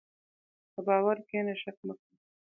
په باور کښېنه، شک مه کوه.